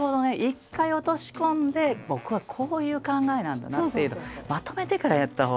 一回落とし込んで僕はこういう考えなんだなというのをまとめてからやったほうが。